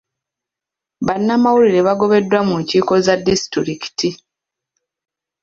Bannamawulire bagobeddwa mu nkiiko za disitulikiti.